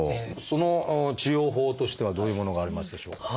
その治療法としてはどういうものがありますでしょうか？